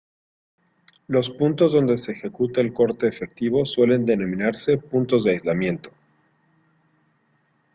Los puntos donde se ejecuta el corte efectivo suelen denominarse puntos de aislamiento.